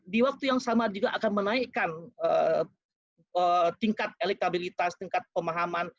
di waktu yang sama juga akan menaikkan tingkat elektabilitas tingkat pemahaman